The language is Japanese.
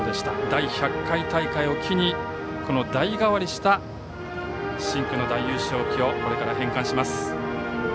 第１００回大会を機に代替わりした深紅の大優勝旗をこれから返還します。